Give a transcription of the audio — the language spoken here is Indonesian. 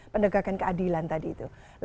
pendegakan keadilan tadi itu